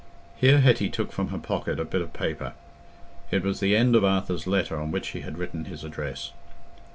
Here Hetty took from her pocket a bit of paper: it was the end of Arthur's letter on which he had written his address.